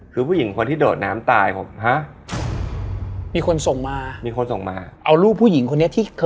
เป็นแบบ๑๐คน